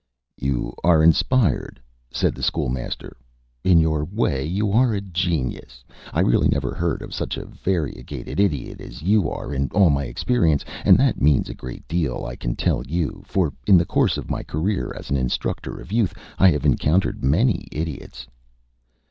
"You are inspired," said the School Master. "In your way you are a genius. I really never heard of such a variegated Idiot as you are in all my experience, and that means a great deal, I can tell you, for in the course of my career as an instructor of youth I have encountered many idiots."